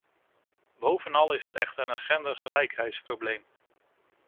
Bovenal is het echter een gendergelijkheidsprobleem.